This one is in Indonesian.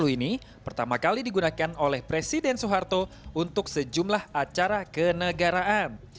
seribu sembilan ratus delapan puluh ini pertama kali digunakan oleh presiden soeharto untuk sejumlah acara kenegaraan